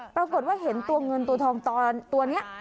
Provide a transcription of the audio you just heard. ปรากฏว่าเห็นตัวเงินตัวทองตัวนี้